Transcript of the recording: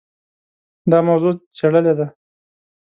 دا موضوع څېړلې ده.